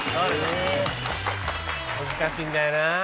難しいんだよなあ。